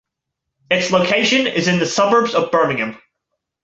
Its location is in the suburbs of Birmingham.